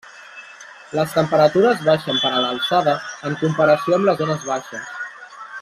Les temperatures baixen per l'alçada en comparació amb les zones baixes.